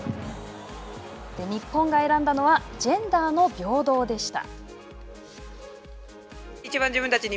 日本が選んだのはジェンダーの平等でした。